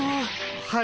はい。